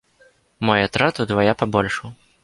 Мой атрад удвая пабольшаў.